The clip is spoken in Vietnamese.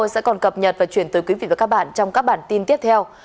sẽ còn cập nhật và chuyển tới quý vị và các bạn trong các bản tin tiếp theo